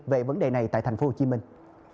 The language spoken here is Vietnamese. về vấn đề này tại thành phố hồ chí minh